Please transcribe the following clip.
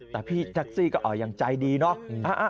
แต่พี่แท็กซี่ก็ยังใจดีเนาะ